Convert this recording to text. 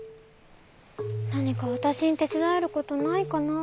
なにかわたしにてつだえることないかな？